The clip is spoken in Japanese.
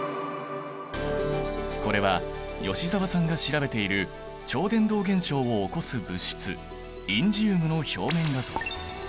これは吉澤さんが調べている超伝導現象を起こす物質インジウムの表面画像。